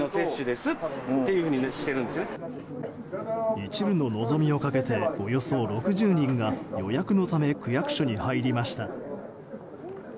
いちるの望みをかけておよそ６０人が予約のため区役所に入りました。